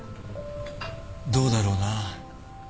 どうだろうな？